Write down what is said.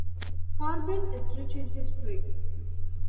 Karben is rich in history.